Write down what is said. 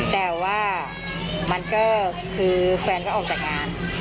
แต่ว่ามันก็คือแฟนก็ออกจากงาน